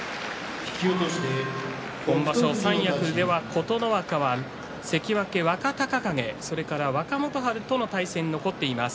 今場所、三役では琴ノ若関脇若隆景若元春との対戦が残っています。